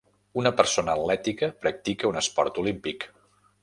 Una persona atlètica practica un esport olímpic.